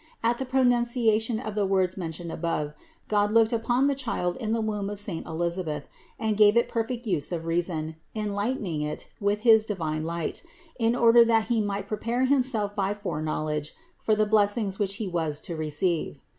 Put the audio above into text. At the pronunciation of the words mentioned above, God looked upon the child in the womb of saint Elisabeth, and gave it perfect use of reason, enlightening it with his divine light, in order that he might prepare himself by foreknowledge for the blessings which he was to receive.